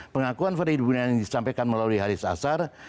pengakuan freddy budiman yang disampaikan melalui haris azhar